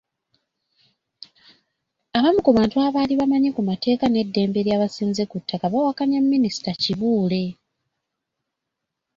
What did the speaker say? Abamu ku bantu abaali bamanyi ku mateeka n’eddembe ly’abasenze ku ttaka bawakanya Minisita Kibuule.